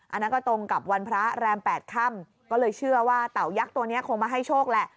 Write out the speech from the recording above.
อันนั้นก็ตรงกับวันพระแรม๘ค่ำก็เลยเชื่อว่าเต่ายักษ์ตัวนี้คงมาให้โชคแหละ